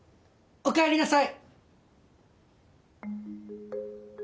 おかえりなさい。